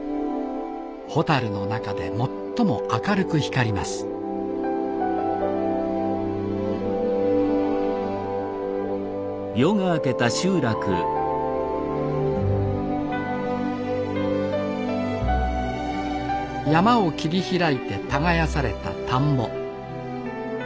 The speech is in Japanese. ホタルの中で最も明るく光ります山を切り開いて耕された田んぼ。